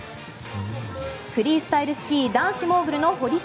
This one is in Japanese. フリースタイルスキー男子モーグルの堀島